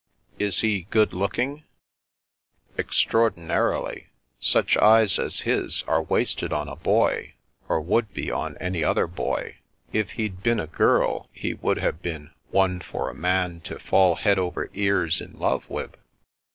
" Is he good looking ?"" Extraordinarily. Such eyes as his are wasted on a boy— or would be on any other boy. If he'd been a girl, he would have been one for a man to fall head over ears in love with."